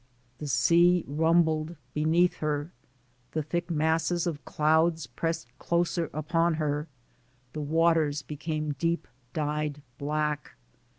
The sea rumbled beneath her, the thick masses of clouds pressed closer upon her, the waters became deep dyed black.